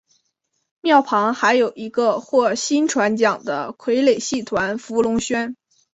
庙旁还有一个获薪传奖的傀儡戏团福龙轩。